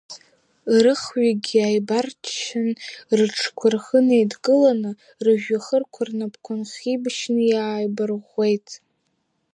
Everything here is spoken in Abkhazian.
Рыхҩыкгьы ааибарччан, рыҽқәа рхы неидкыланы рыжәҩахырқәа рнапқәа нхибашьны иааибарӷәӷәеит.